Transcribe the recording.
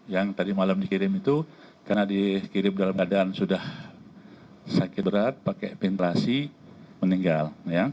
yang tadi malam dikirim itu karena dikirim dalam keadaan sudah sakit berat pakai pentrasi meninggal